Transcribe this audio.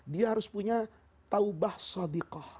dia harus punya taubah sadikoh